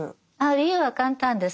理由は簡単です。